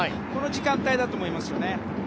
この時間帯だと思いますよね。